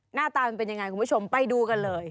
หน้าตามันเป็นยังไงคุณผู้ชมไปดูกันเลย